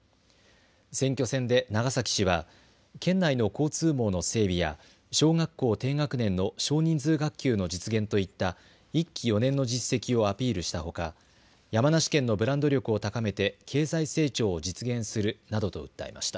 選挙戦で長崎氏は県内の交通網の整備や小学校低学年の少人数学級の実現といった１期４年の実績をアピールしたほか、山梨県のブランド力を高めて経済成長を実現するなどと訴えました。